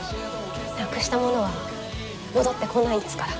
なくしたものは戻ってこないんですから。